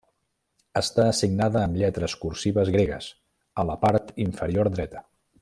Està signada amb lletres cursives gregues, a la part inferior dreta.